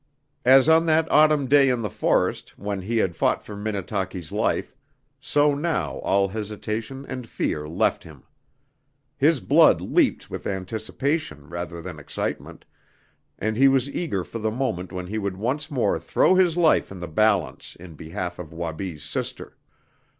As on that autumn day in the forest, when he had fought for Minnetaki's life, so now all hesitation and fear left him. His blood leaped with anticipation rather than excitement, and he was eager for the moment when he would once more throw his life in the balance in behalf of Wabi's sister.